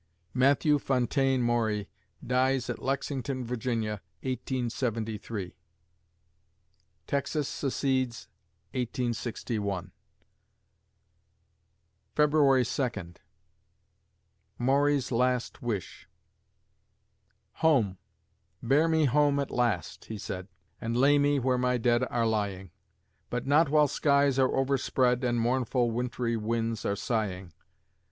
Matthew Fontaine Maury dies at Lexington, Va., 1873 Texas secedes, 1861 February Second MAURY'S LAST WISH "Home bear me home, at last," he said, "And lay me where my dead are lying, But not while skies are overspread, And mournful wintry winds are sighing.